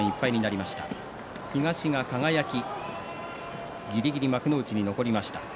東が輝ぎりぎり幕内に残りました。